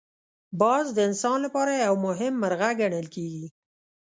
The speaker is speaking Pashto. باز د انسان لپاره یو مهم مرغه ګڼل کېږي